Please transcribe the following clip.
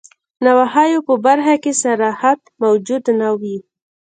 نواهیو په برخه کي صراحت موجود نه وي.